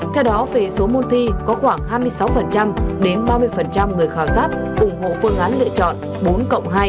theo đó về số môn thi có khoảng hai mươi sáu đến ba mươi người khảo sát ủng hộ phương án lựa chọn bốn cộng hai